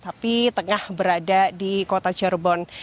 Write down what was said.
tapi tengah berada di kota cirebon